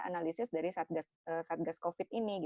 analisis dari satgas covid ini